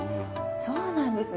そうなんですね！